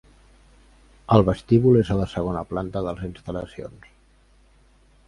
El vestíbul és a la segona planta de les instal·lacions.